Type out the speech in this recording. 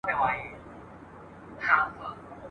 هم شیرین، هم وېروونکی، لړزوونکی !.